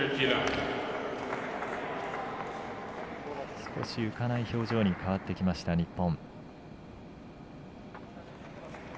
少し浮かない表情に変わってきました、日本。